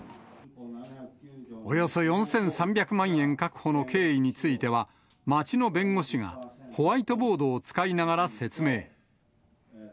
およそ４３００万円確保の経緯については、町の弁護士が、ホワイトボードを使いながら説明。